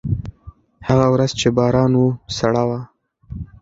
هغه ورځ چې باران و، سړه وه.